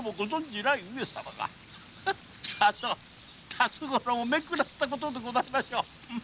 さぞ辰五郎も面食らったことでございましょう。